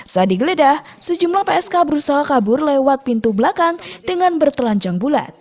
saat digeledah sejumlah psk berusaha kabur lewat pintu belakang dengan bertelanjang bulat